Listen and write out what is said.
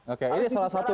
oke ini salah satu